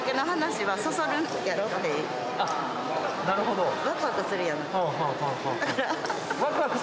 なるほど。